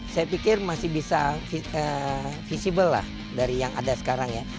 saya pikir masih bisa visible lah dari yang ada sekarang ya